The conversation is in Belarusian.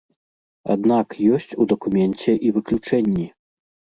Аднак ёсць у дакуменце і выключэнні.